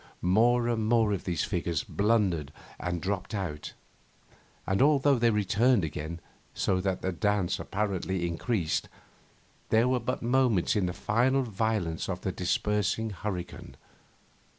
More and more these figures blundered and dropped out; and although they returned again, so that the dance apparently increased, these were but moments in the final violence of the dispersing hurricane.